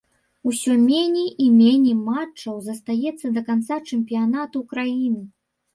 Усё меней і меней матчаў застаецца да канца чэмпіянату краіны.